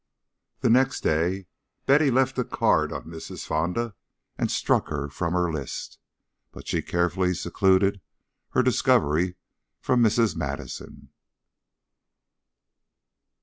The next day Betty left a card on Mrs. Fonda and struck her from her list; but she carefully secluded her discovery from Mrs. Madison.